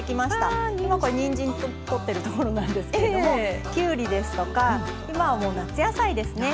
今これにんじん取ってるところなんですけどもきゅうりですとか今はもう夏野菜ですね。